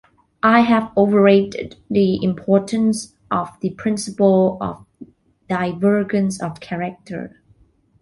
I have overrated the importance of the principle of divergence of character.